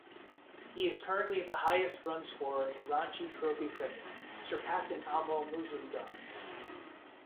He is currently the highest run-scorer in Ranji Trophy cricket, surpassing Amol Muzumdar.